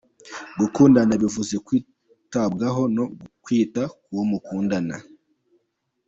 Gukundana bivuze kwitabwaho no kwita k’uwo mukundana.